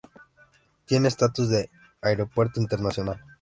Tiene estatus de aeropuerto internacional.